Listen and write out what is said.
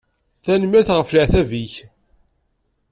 Tanemmirt ɣef leεtab-ik.